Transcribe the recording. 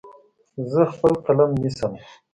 زه خپل قلم نیسم.